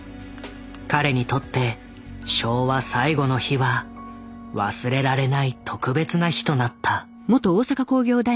彼にとって昭和最後の日は忘れられない特別な日となった。